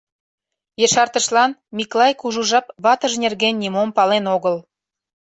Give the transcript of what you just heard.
Ешартышлан Миклай кужу жап ватыж нерген нимом пален огыл.